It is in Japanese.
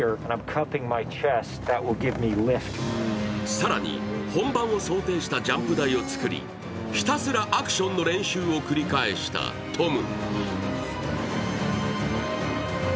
更に、本番を想定したジャンプ台を作り、ひたすらアクションの練習を繰り返したトム。